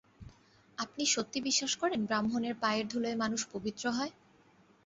আপনি সত্যি বিশ্বাস করেন ব্রাহ্মণের পায়ের ধুলোয় মানুষ পবিত্র হয়?